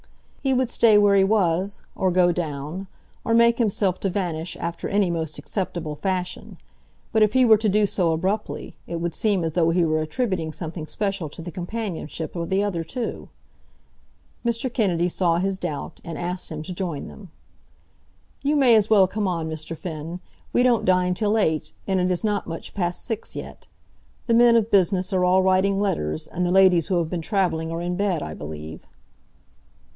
He would stay where he was, or go down, or make himself to vanish after any most acceptable fashion; but if he were to do so abruptly it would seem as though he were attributing something special to the companionship of the other two. Mr. Kennedy saw his doubt, and asked him to join them. "You may as well come on, Mr. Finn. We don't dine till eight, and it is not much past six yet. The men of business are all writing letters, and the ladies who have been travelling are in bed, I believe."